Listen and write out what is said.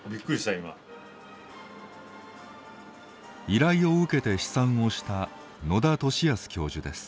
依頼を受けて、試算をした野田順康教授です。